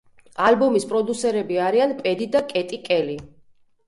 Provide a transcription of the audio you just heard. ალბომის პროდიუსერები არიან პედი და კეტი კელი.